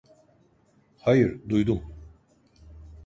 Hayır, duydum!